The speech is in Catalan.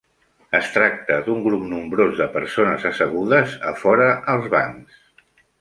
Es tracta d'un grup nombrós de persones assegudes a fora als bancs.